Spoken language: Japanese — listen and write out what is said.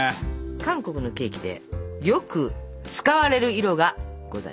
韓国のケーキでよく使われる色がございます。